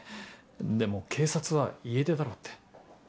でも警察は「家出だろう」って。